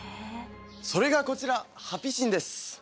それがこちらハピ神です